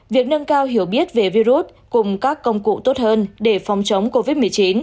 việc nâng cao hiểu biết về virus cùng các công cụ tốt hơn để phòng chống covid một mươi chín